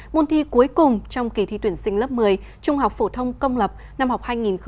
môn thi cuối cùng trong kỳ thi tuyển sinh lớp một mươi trung học phổ thông công lập năm học hai nghìn hai mươi hai nghìn hai mươi